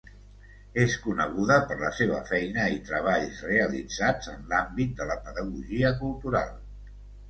És coneguda per la seva feina i treballs realitzats en l’àmbit de la pedagogia cultural.